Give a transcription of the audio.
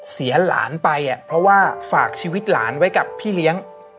เสียหลานไปเพราะว่าฝากชีวิตหลานไว้กับพี่เลี้ยง